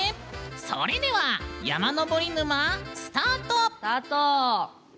それでは、山登り沼スタート！